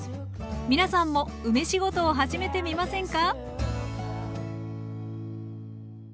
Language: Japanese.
皆さんも「梅仕事」を始めてみませんか？